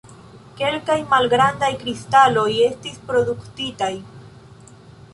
Kelkaj malgrandaj kristaloj estis produktitaj.